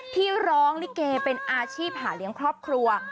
ที่ร้องลิเกเป็นอาชีพหาเลี้ยงครอบครัว